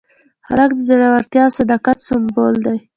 هلک د زړورتیا او صداقت سمبول دی.